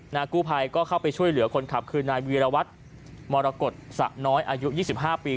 กู้ภัยก็เข้าไปช่วยเหลือคนขับคือนายวีรวัตรมรกฏสะน้อยอายุ๒๕ปี